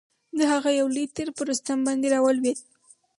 د هغه یو لوی تیر پر رستم باندي را ولوېد.